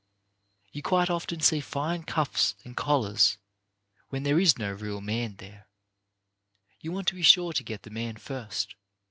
You quite often see fine cuffs and collars, when there is no real man there. You want to be sure to get the man first.